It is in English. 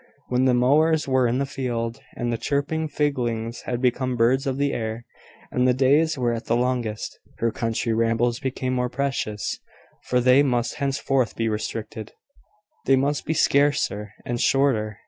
When the mowers were in the field, and the chirping fledgelings had become birds of the air, and the days were at the longest, her country rambles became more precious, for they must henceforth be restricted; they must be scarcer and shorter.